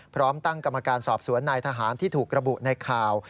พร้อมตั้งกรรมการสอบสวนนายทหารที่ถูกระบุในข่าว